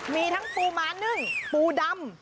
มีทั้งปูม้านึ่งปูดำ